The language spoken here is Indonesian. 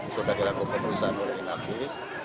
kita sudah dilakukan perusahaan oleh inaktif